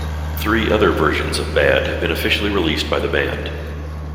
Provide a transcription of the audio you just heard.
Three other versions of "Bad" have been officially released by the band.